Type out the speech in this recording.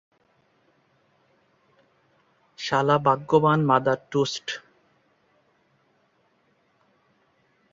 শালা ভাগ্যবান মাদারটোস্ট।